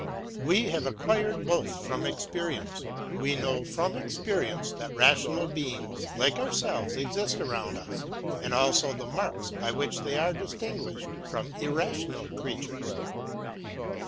" We have acquired both from experience : we know from " experience that rational beings like ourselves exist around " us, and also the marks by which they are distinguished " from irrational creatures."